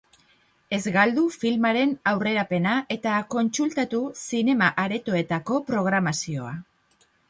Ez galdu filmaren aurrerapena eta kontsultatu zinema-aretoetako programazioa.